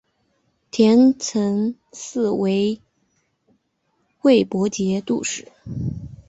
田承嗣为魏博节度使。